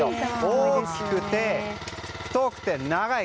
大きくて、太くて、長い。